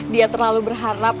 dia terlalu berharap